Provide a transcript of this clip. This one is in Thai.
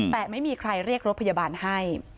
แต่ไม่มีใครเรียกรถพยาบาลให้